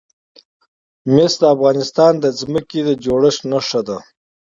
مس د افغانستان د ځمکې د جوړښت نښه ده.